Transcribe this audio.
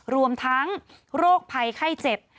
รวมทั้งโรคภัยไข้เจ็บ